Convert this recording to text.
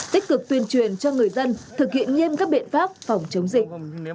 tích cực tuyên truyền cho người dân thực hiện nghiêm các biện pháp phòng chống dịch